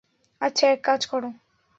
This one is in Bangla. আচ্ছা, এক কাজ কর।